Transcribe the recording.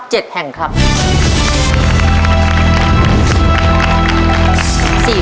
ตัวเลือกที่สี่